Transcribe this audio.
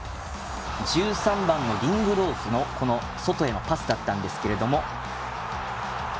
１３番のリングローズの外へのパスだったんですけれども。